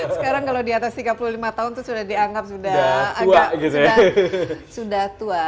sekarang kalau di atas tiga puluh lima tahun itu sudah dianggap sudah agak sudah tua